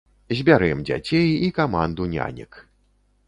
Збярэм дзяцей і каманду нянек!